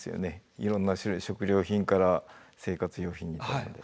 いろんな種類食料品から生活用品に至るまで。